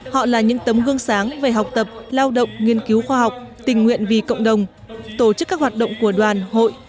họ là những tấm gương sáng về học tập lao động nghiên cứu khoa học tình nguyện vì cộng đồng tổ chức các hoạt động của đoàn hội